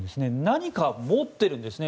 何かを持っているんですね。